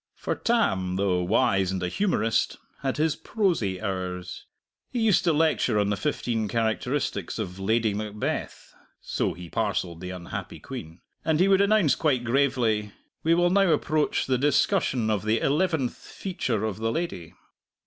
For Tam, though wise and a humorist, had his prosy hours. He used to lecture on the fifteen characteristics of Lady Macbeth (so he parcelled the unhappy Queen), and he would announce quite gravely, "We will now approach the discussion of the eleventh feature of the lady."